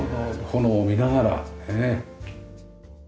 炎を見ながらねっ。